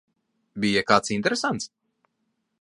Bija kāds interesants?